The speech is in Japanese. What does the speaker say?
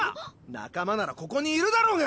仲間ならここにいるだろうが！